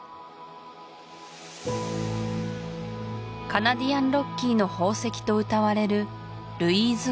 カナディアンロッキーの宝石とうたわれるルイーズ